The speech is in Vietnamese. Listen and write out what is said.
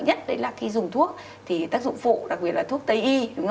và cái sợ nhất đấy là khi dùng thuốc thì tác dụng phụ đặc biệt là thuốc tây y